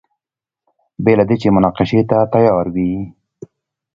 بې له دې چې مناقشې ته تیار وي.